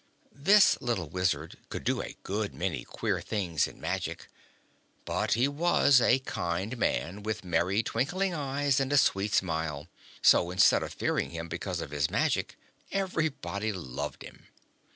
This little Wizard could do a good many queer things in magic; but he was a kind man, with merry, twinkling eyes and a sweet smile; so, instead of fearing him because of his magic, everybody loved him.